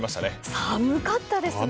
寒かったですね！